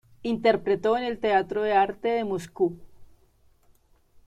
Interpretó en el Teatro de Arte de Moscú.